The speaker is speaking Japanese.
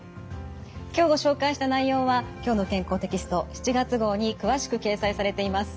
今日ご紹介した内容は「きょうの健康」テキスト７月号に詳しく掲載されています。